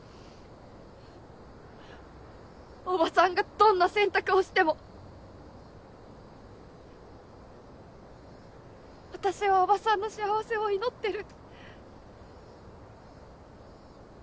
叔母さんがどんな選択をしても私は叔母さんの幸せを祈ってる。